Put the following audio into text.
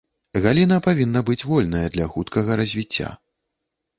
Галіна павінна быць вольная для хуткага развіцця.